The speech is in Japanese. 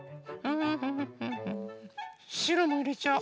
しろもいれちゃお。